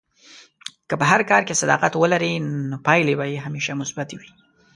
که په هر کار کې صداقت ولرې، نو پایلې به همیشه مثبتې وي.